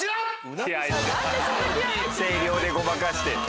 声量でごまかしてる。